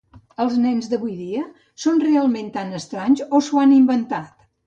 Els nens d'avui en dia són realment tan estranys o s'ho han inventat?